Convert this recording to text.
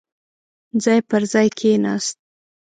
ځای پر ځاې کېناست.